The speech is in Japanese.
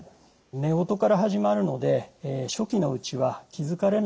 寝言から始まるので初期のうちは気づかれないことも多いと思います。